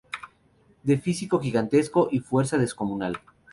De físico gigantesco y fuerza descomunal.